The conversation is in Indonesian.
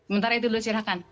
sementara itu dulu silahkan